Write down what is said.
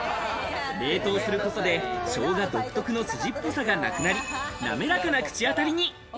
冷凍することで、ショウガ独特の筋っぽさがなくなり、滑らかな口当たりに。